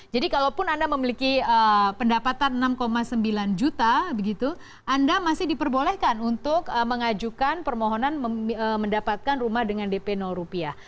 jadi kalau anda memiliki pendapatan enam sembilan juta anda masih diperbolehkan untuk mengajukan permohonan mendapatkan rumah dengan dp rupiah